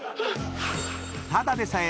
［ただでさえ］